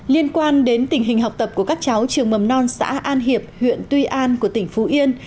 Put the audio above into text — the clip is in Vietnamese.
liên quan đến tình hình học tập của các cháu trường mầm non xã an hiệp huyện tuy an của tỉnh phú yên